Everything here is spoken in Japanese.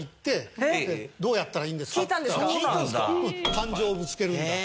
感情をぶつけるんだ。